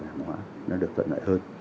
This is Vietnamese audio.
giảm hóa nó được thuận lợi hơn